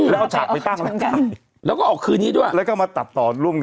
แล้วเอาฉากไปตั้งแล้วก็ออกคืนนี้ด้วยแล้วก็มาตัดต่อร่วมกัน